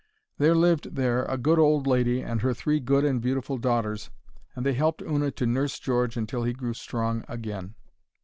There lived there a good old lady and her three good and beautiful daughters, and they helped Una to nurse George until he grew strong again.